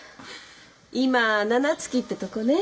今七月ってとこね？